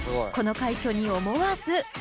この快挙に思わず。